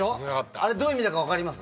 あれどういう意味だかわかります？